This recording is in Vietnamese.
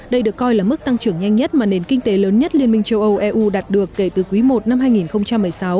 đây được coi là mức tăng trưởng nhanh nhất mà nền kinh tế lớn nhất liên minh châu âu eu đạt được kể từ quý i năm hai nghìn một mươi sáu